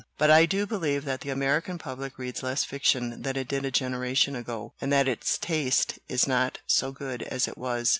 But I do believe that the American public reads less fiction than it did a generation ago, and that its taste is not so good as it was."